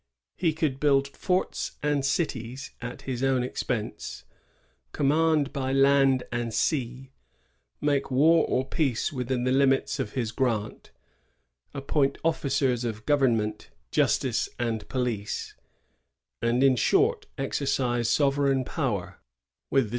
He could build forts and cities, at his own expense ; command by land and sea ; make war or peace within the limits of his grant; appoint officers of government, justice, and police; and, in short, exercise sovereign power, with the simple 1 Winthrop, ii.